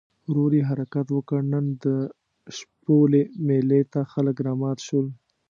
ورو یې حرکت وکړ، نن د شپولې مېلې ته خلک رامات شول.